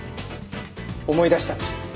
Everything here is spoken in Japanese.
思い出したんです。